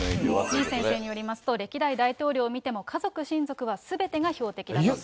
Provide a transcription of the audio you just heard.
李先生によりますと、歴代大統領を見ても、家族、親族はすべてが標的だそうです。